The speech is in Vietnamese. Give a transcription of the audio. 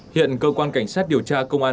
hiện cơ quan cảnh sát điều tra công an